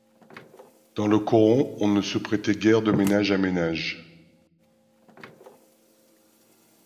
Dans le coron, on ne se prêtait guère de ménage à ménage.